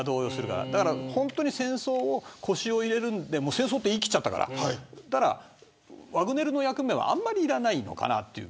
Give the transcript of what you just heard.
本当に戦争に腰を入れる戦争と言い切っちゃったからワグネルの役目はあんまりいらないのかなと。